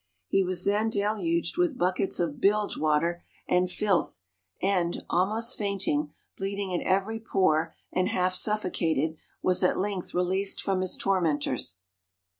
He was then deluged with buckets of bilge SKETCHES OF TRAVEL water and filth and, almost fainting, bleed ing at every pore and half suffocated, was at length released from his tormentors.